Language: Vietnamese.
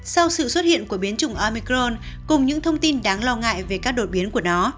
sau sự xuất hiện của biến chủng omicron cùng những thông tin đáng lo ngại về các đột biến của nó